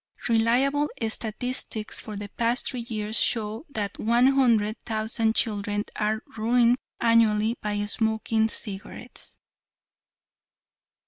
Reliable statistics for the past three years show that one hundred thousand children are ruined annually by smoking cigarettes."